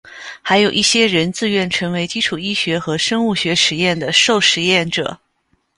还有一些人自愿成为基础医学和生物学实验的受实验者。